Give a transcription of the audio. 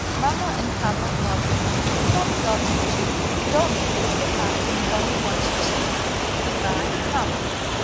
Mamma and Papa love you. Tommy loves you, too. Tommy is the cat. Tommy wants to see you. "Good by. MAMMA."